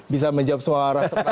bisa menjawab suara